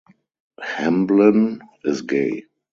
Hamblen is gay.